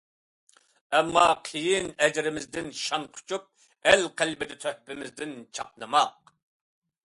ئەمما قىيىن ئەجرىمىزدىن شان قۇچۇپ، ئەل قەلبىدە تۆھپىمىزدىن چاقنىماق.